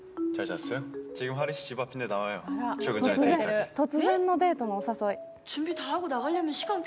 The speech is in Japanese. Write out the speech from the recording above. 突然のデートのお誘い。